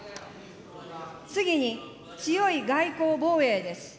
次に、強い外交・防衛です。